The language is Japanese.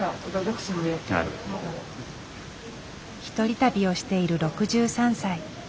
一人旅をしている６３歳。